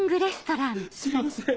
すいません